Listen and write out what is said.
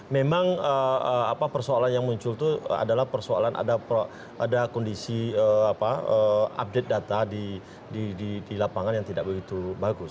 memang persoalan yang muncul itu adalah persoalan ada kondisi update data di lapangan yang tidak begitu bagus